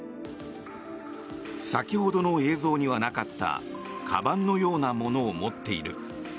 先ほどの映像にはなかったかばんのようなものを持っている。